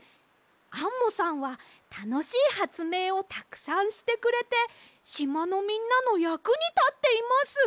アンモさんはたのしいはつめいをたくさんしてくれてしまのみんなのやくにたっています！